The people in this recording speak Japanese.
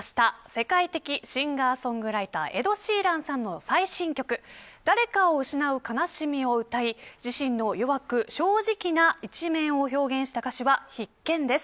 世界的シンガーソングライターエド・シーランさんの最新曲誰かを失う悲しみを歌い自身の弱く、正直な一面を表現した歌詞は必見です。